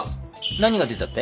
何が出たって？